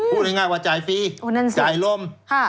พูดง่ายว่าจ่ายฟรีจ่ายลม